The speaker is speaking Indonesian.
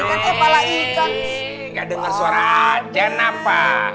enggak dengar suara aja napa